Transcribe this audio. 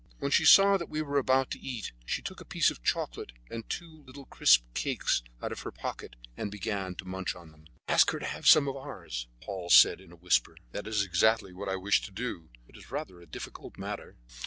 When she saw that we were about to eat she took a piece of chocolate and two little crisp cakes out of her pocket and began to munch them. "Ask her to have some of ours," Paul said in a whisper. "That is exactly what I wish to do, but it is rather a difficult matter."